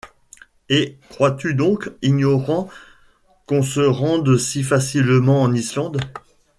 Eh ! crois-tu donc, ignorant, qu’on se rende si facilement en Islande ?